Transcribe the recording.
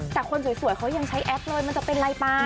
แต่คนสวยเขายังใช้แอปเลยมันจะเป็นอะไรปลา